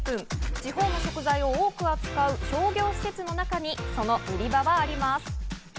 地方の食材を多く扱う商業施設の中に、その売り場はあります。